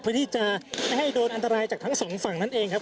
เพื่อที่จะไม่ให้โดนอันตรายจากทั้งสองฝั่งนั่นเองครับ